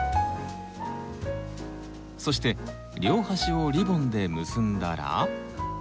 そして両端をリボンで結んだら。